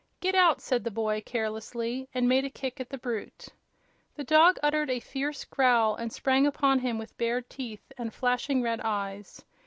"Get out!" said the boy, carelessly, and made a kick at the brute. The dog uttered a fierce growl and sprang upon him with bared teeth and flashing red eyes.